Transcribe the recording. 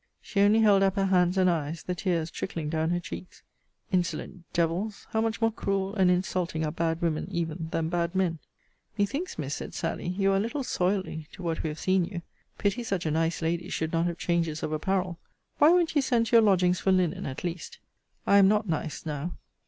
She only held up her hands and eyes; the tears trickling down her cheeks. Insolent devils! how much more cruel and insulting are bad women even than bad men! Methinks, Miss, said Sally, you are a little soily, to what we have seen you. Pity such a nice lady should not have changes of apparel! Why won't you send to your lodgings for linen, at least? I am not nice now.